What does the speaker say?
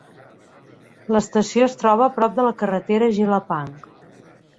L'estació es troba a prop de la carretera de Jelapang.